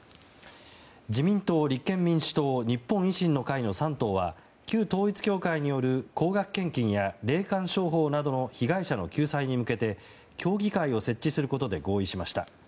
自民党、立憲民主党日本維新の会の３党は旧統一教会による高額献金や霊感商法などの被害者の救済に向けて協議会を設置することで合意しました。